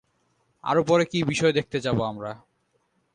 আরো পরে কি বিষয় দেখতে যাবো আমরা।